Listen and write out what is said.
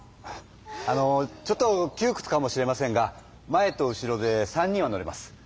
あのちょっときゅうくつかもしれませんが前と後ろで３人は乗れます。